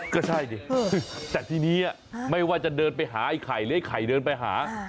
ก็ใช่ดิแต่ทีนี้ไม่ว่าจะเดินไปหาไอ้ไข่หรือไอ้ไข่เดินไปหา